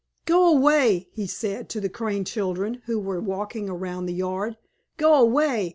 "Go away!" he said to the Crane children, who were walking around the yard. "Go away!